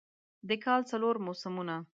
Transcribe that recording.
د کال څلور موسمونه